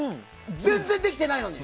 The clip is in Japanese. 全然できてないのに。